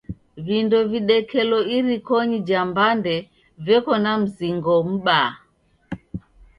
Vindo videkelo irikonyi ja mbande veko na mzingo m'baa.